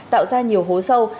tạo ra nhiều hố sâu